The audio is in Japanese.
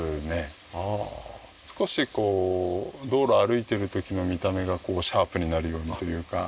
少しこう道路歩いてる時の見た目がシャープになるようにというか。